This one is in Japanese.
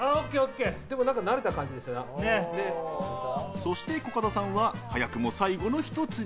そして、コカドさんは早くも最後の１つに。